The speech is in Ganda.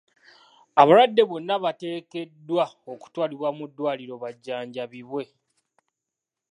Abalwadde bonna bateekeddwa okutwalibwa mu ddwaliro bajjanjabibwe.